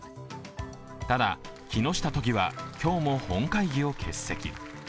ただ、木下都議は今日も本会議を欠席。